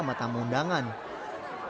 kedatangan presiden jokowi dan reni nurmaningsi ini